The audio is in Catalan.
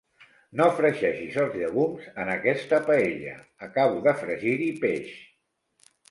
No fregeixis els llegums en aquesta paella: acabo de fregir-hi peix.